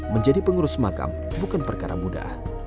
menjadi pengurus makam bukan perkara mudah